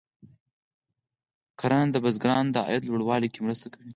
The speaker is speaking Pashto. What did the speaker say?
کرنه د بزګرانو د عاید لوړولو کې مرسته کوي.